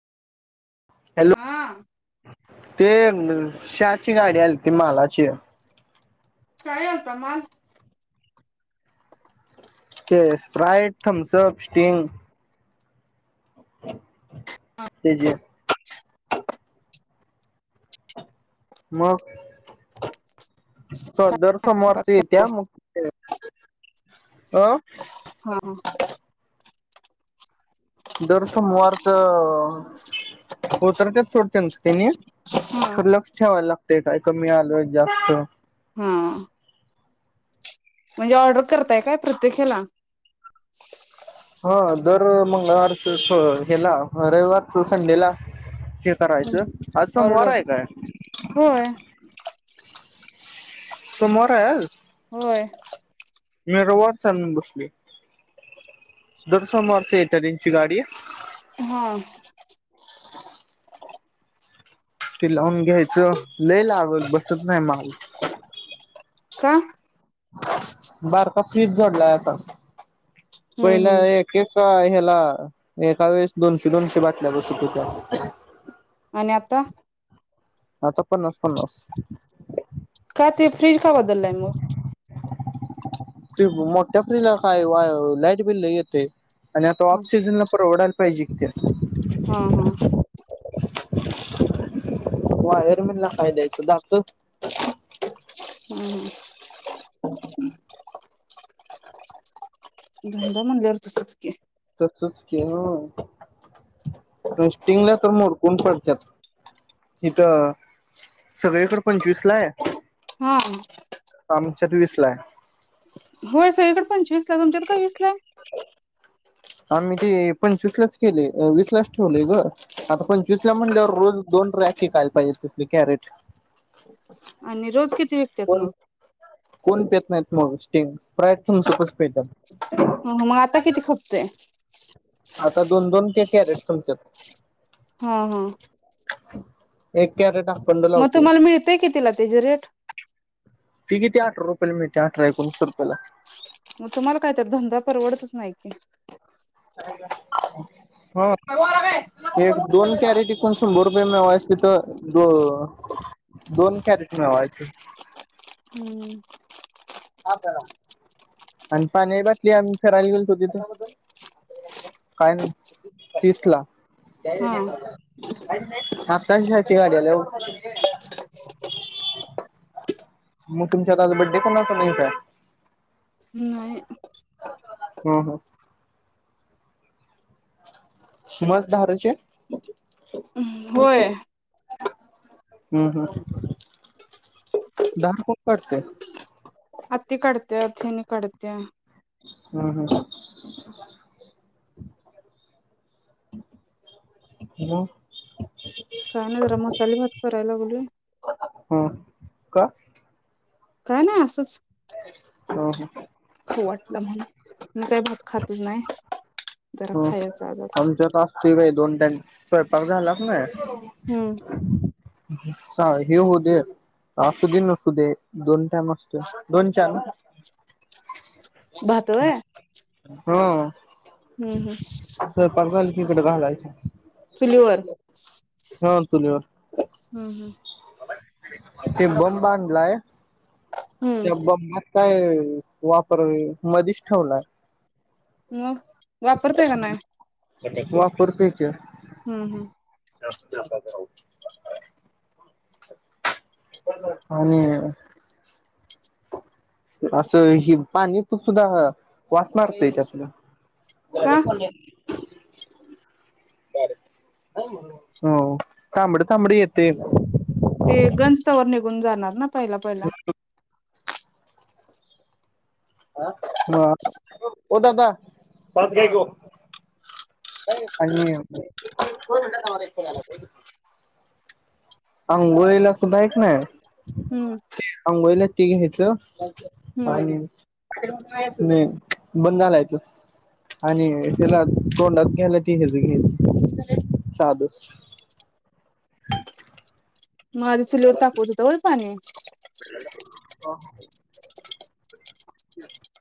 Hello हा ते? श्याची गाडी आलती मालाची काय आलता माल ते स्प्राईट, थम्सअप, स्टिंग ते जे मग चादर सोमवारचं येतीया मग त्या अं हा हा दर सोमवारचं हो तर त्यात सोडत्यात त्याचं त्यांनी हा खरं लक्ष ठेवायला लाग ते काय कमी आलं जास्त हा म्हणजे ऑर्डर करताय काय? प्रत्येक हेला हा दर मंगळवारच हेला रविवारचं संडेला हे करायचं आज सोमवार ऑर्डर आहे काय? होय [inaudible] सोमवार हाय आज. होय. मी रविवारचाय म्हणून बसलोय. दर सोमवारची येते त्यांची गाडी हा ते लावून घ्यायचं. लय लावत बसत नाही माउ का? बारका फ्रीज जोडलाय आता. हम्म पहिला हम्म एक एका हॆ ला एका वेळेस दोनशे दोनशे बाटल्या बसत होत्या. आणि आता? आता पन्नास पन्नास. काय ते फ्रीज का बदललाय मग ते मोठ्या फ्रिजला काय वा लाईट बिल लई येतंय. आणि आता हा ऑफ सीजनला परवडंल. पाहिजी की त्यात अ हं. [inaudible] वायरमनला काय द्यायचं दातं. हम्म. ह [inaudible] धंदा म्हणल्यावर तसच की स्टिंगला तर मोडकून पडत्यात. हिथं सगळीकड पंचवीसलाय हा आमच्यात वीसलाय. होय सगळीकडे पंचवीस तुमच्यात का विसलाय आम्ही ते पंचवीसलाच केलय. विसलाच ठेवलेय ग आता पंचवीसला म्हणल्यावर रोज दोन रॅक विकायला पाहिजे तसले कॅरेट. आणि रोज किती विकत्यात कोण मग कोण पेत नाहीत मग स्टिंग. प्रयत्थन सोपच पद हा हा मग आता [inaudible] किती खपतय आता दोन दोन ते कॅरेट संपतेत. हा हा. एक क [inaudible] मग तुम्हाला मिळतेय कितिला तेचं रेट. ती किती अठरा रुपयाला मिळतय अठरा एकोणीस रुपयाला. मग तुम्हाला काय तर धंदा परवडतच नाही कि. ह. एक दोन कॅरेट विकून शंभर रुपये मिळवायचं तिथं दो दोन कॅरेट मिळवायचं. हम्म. आणि पाण्या बाटली आम्ही फिरायला गेलतो तिथ, काय नही तीस ला, हा आता ह्यांची गाडी आल्या हो. मग तुमच्यात आज बड्डे कोणाचा नाही का? नाही हू हू! [inaudible] होय. हू हू दहा कोण काटतय? हत्ती कडत्या, हेनी कढत्या. हं हं मं! काय नाही जरा मसाले भात, करायला लागली. मग ह का? काय नाही असंच. ह खावू वाटला म्हणून, मी काय भात खातच नाही. जरा हं खायचं आज आता आमच्यात असतोय बाई दोन टाईम सय झालाच नाही. हं चा हे होऊ दे, असू दे नसू दे, दोन टाइम असतोय. दोन चार ना. भात व्हय [inaudible] हं! हुं हुं! हिकडं घालायचं. हं! चुलीवर. हम्म हम्म ते बंब, आणलाय. हम्म त्या बंबात. काय वापर, मधीच ठेवला. मग! वापरताय, काय नाय. वापरतोयकी. हुं हुं! [unintelligible] आणि. असं ही पाणी, सुद्धा वास मारतय त्यातल. का [unintelligible] हो तांबड, तांबड येतय. ते गंजतवर निघून जाणार ना, पहिला पहिला. आ म ओ दादा, पाच घ्या की ओ. [inaudible] आणि [inaudible] आंघोळीला सुद्धा ऐकन, हम्म आंघोळीला ते घ्यायचं. हम्म पाणी. [inaudible] नाही बंद आलाय तो. आणि तेला, तोंडात घ्यायला ते हेज घ्यायच, साधं. [unintelligible] म आधी चुलीवर तापवत होेता होय पाणी? [inaudible] [inaudible]